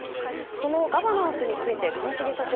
そのガバナンスについて兼重社長